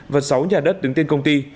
và sáu nhà đất đứng tên công ty